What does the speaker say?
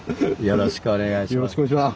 よろしくお願いします。